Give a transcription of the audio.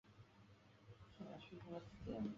终于今天搞定了